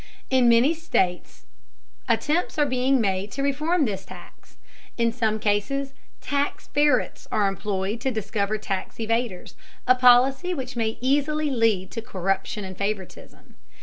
In many states attempts are being made to reform this tax. In some cases "tax ferrets" are employed to discover tax evaders, a policy which may easily lead to corruption and favoritism.